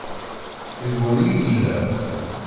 Deg-wen i yella.